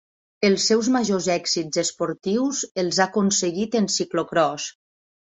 Els seus majors èxits esportius els ha aconseguit en ciclocròs.